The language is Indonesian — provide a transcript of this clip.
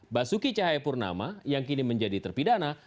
basuki cahayapurnama yang kini menjadi terpidana